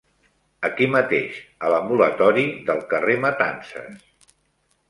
Aquí mateix, a l'ambulatori del carrer Matances.